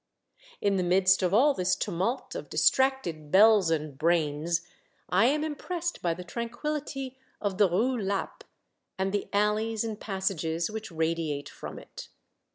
In the midst of all this tumult of distracted bells and brains, I am impressed by the tranquillity of the Rue Lappe and the alleys and passages which radiate from it.